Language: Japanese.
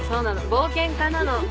冒険家なの。